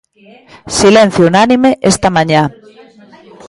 Silencio unánime esta mañá.